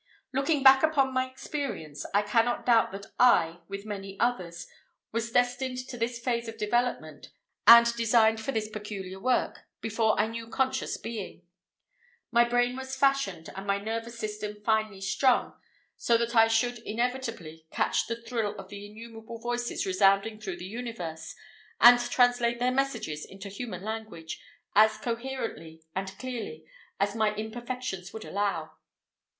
Looking back upon my experience, I cannot doubt that I with many others was destined to this phase of development, and designed for this peculiar work, before I knew conscious being. My brain was fashioned, and my nervous system finely strung, so that I should inevitably catch the thrill of the innumerable voices resounding through the universe, and translate their messages into human language, as coherently and clearly as my imperfections would allow.